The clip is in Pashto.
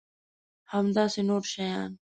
همداسې نور شیان.